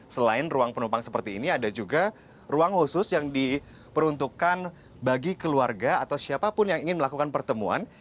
selain ruang penumpang seperti ini ada juga ruang khusus yang diperuntukkan bagi keluarga atau siapapun yang ingin melakukan pertemuan